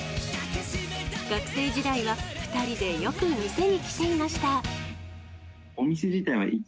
学生時代は、２人でよく店に来ていました。